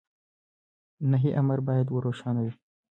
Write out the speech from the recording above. نهي امر بايد روښانه وي.